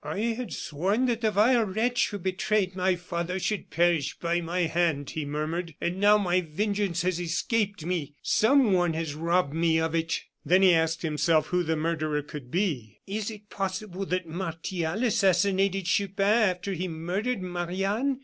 "I had sworn that the vile wretch who betrayed my father should perish by my hand," he murmured; "and now my vengeance has escaped me. Someone has robbed me of it." Then he asked himself who the murderer could be. "Is it possible that Martial assassinated Chupin after he murdered Marie Anne?